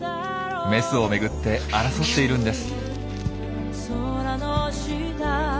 メスを巡って争っているんです。